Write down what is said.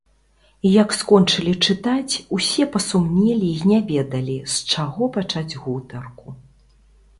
Як скончылі чытаць, усе пасумнелі і не ведалі, з чаго пачаць гутарку.